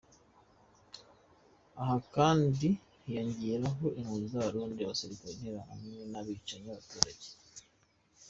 Aha kandi ngo hiyongeraho impunzi z’Abarundi, abasirikari, Interahamwe n’abicanyi b’abaturage.